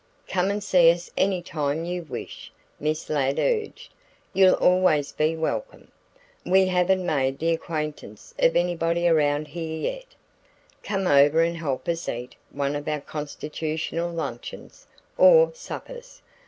"Come and see us any time you wish," Miss Ladd urged. "You'll always be welcome. We haven't made the acquaintance of anybody around here yet. Come over and help us eat one of our constitutional luncheons, or suppers.